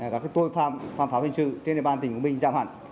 các tội phạm phạm pháp hình sự trên địa bàn tỉnh quảng bình giảm hẳn